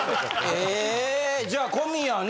えじゃあ小宮の。